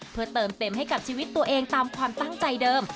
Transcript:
เพื่อเติมเต็มให้กับชีวิตตัวเองตามความตั้งใจเดิม